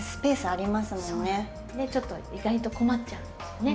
ちょっと意外と困っちゃうんですよね。